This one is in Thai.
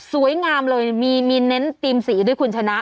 สวยงามเลยมีเน้นทีมสีด้วยคุณชนะ